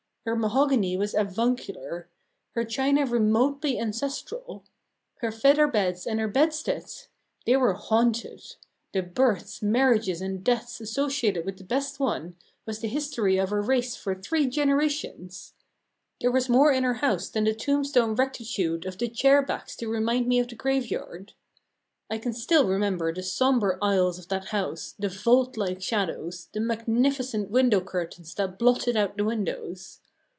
Her mahogany was avuncular; her china remotely ancestral; her feather beds and her bedsteads! they were haunted; the births, marriages, and deaths associated with the best one was the history of our race for three generations. There was more in her house than the tombstone rectitude of the chair backs to remind me of the graveyard. I can still remember the sombre aisles of that house, the vault like shadows, the magnificent window curtains that blotted out the windows.